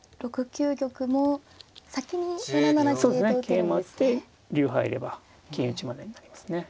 桂馬打って竜入れば金打ちまでになりますね。